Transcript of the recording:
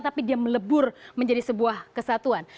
tapi dia melebur menjadi sebuah kesatuan